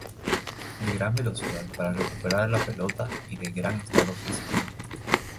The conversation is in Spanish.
De gran velocidad para recuperar la pelota y de gran estado físico.